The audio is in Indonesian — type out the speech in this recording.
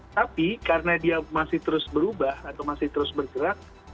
tapi karena dia masih terus berubah atau masih terus bergerak